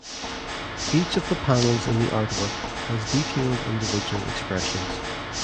Each of the panels in the artwork has detailed individual expressions.